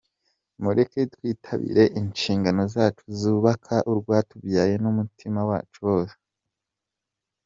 Mureke twitabire inshingano zacu zo kubaka urwatubyaye n’umutima wacu wose.